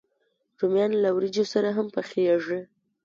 رومیان له وریجو سره هم پخېږي